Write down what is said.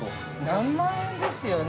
◆何万円ですよね。